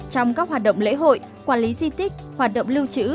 trong các hoạt động lễ hội quản lý di tích hoạt động lưu trữ